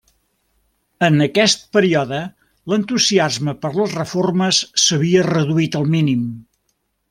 En aquest període l'entusiasme per les reformes s'havia reduït al mínim.